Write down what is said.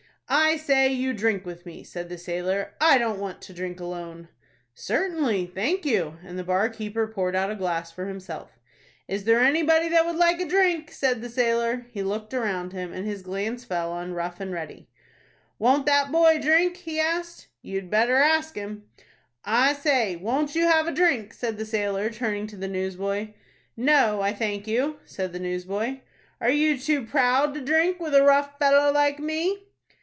"I say, you drink with me," said the sailor. "I don't want to drink alone." "Certainly, thank you;" and the bar keeper poured out a glass for himself. "Isn't there anybody that would like a drink?" said the sailor. He looked around him, and his glance fell on Rough and Ready. "Won't that boy drink?" he asked. "You had better ask him." "I say, won't you have a drink?" said the sailor, turning to the newsboy. "No, I thank you," said the newsboy. "Are you too proud to drink with a rough fellow like me?"